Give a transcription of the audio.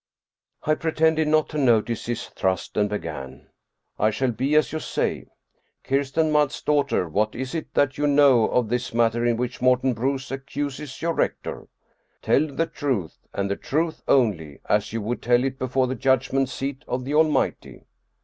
I pretended not to notice his thrust and began, " It shall be as you say. Kirsten Mads' daughter, what is it that you know of this matter in which Morten Bruus accuses your rector? Tell the truth, and the truth only, as you would tell it before the judgment seat of the Almighty.